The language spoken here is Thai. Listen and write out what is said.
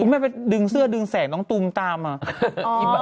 แม่ไปดึงเสื้อดึงแสงน้องตูมตามมา